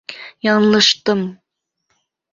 Яңылыштым!